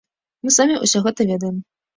Мы самі ўсё гэта ведаем.